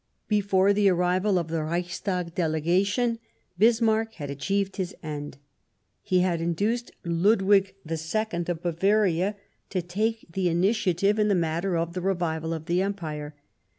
L ' 161 Bismarck Before the arrival of the Reichstag Delegation, Bismarck had achieved his end : he had induced Ludwig II of Bavaria to take the initiative in the matter of the revival of the Empire.